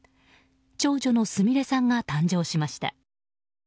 長女のすみれさんが誕生しました。